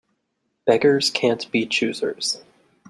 Beggars can't be choosers.